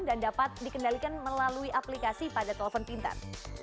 dan dapat dikendalikan melalui aplikasi pada telepon pintar